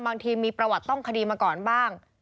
บางทีมีประวัติต้องคดีมาก่อนบ้าง